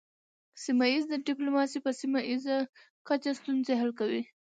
سیمه ایز ډیپلوماسي په سیمه ایزه کچه ستونزې حل کوي